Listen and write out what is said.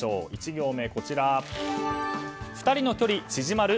１行目、２人の距離縮まる？